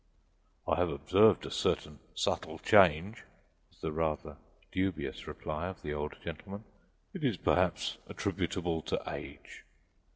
"I have observed a certain subtle change," was the rather dubious reply of the old gentleman; "it is perhaps attributable to age."